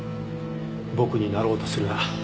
僕になろうとするな。